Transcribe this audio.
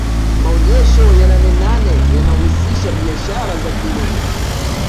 maonyesho ya nanenane yanahusisha biashara za kilimo